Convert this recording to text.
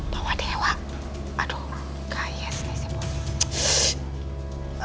bawa dewa aduh nggak yes nih sih